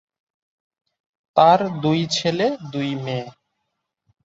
তার দুই ছেলে, দুই মেয়ে।